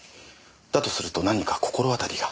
だとすると何か心当たりが？